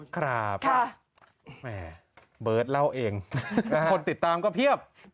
ครับแหมเบิร์ตเล่าเองคนติดตามก็เพียบ